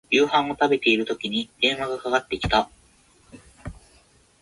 お水を一日二リットル飲む